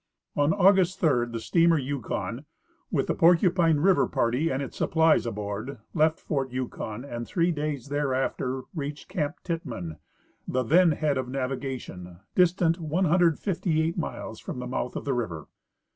On August 3 the steamer Yukon, with the Porcupine River party and its supplies aboard, left fort Yukon and three days thereafter reached camp Tittmann, the then head of navigation, distant 158 miles from the mouth of the river.